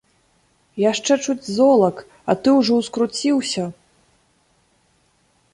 Яшчэ чуць золак, а ты ўжо ўскруціўся?